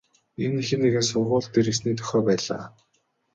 Энэ нь хэн нэгэн сургууль дээр ирсний дохио байлаа.